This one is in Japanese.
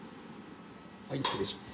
はい失礼します。